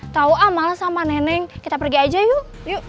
tau ah males sama neneng kita pergi aja yuk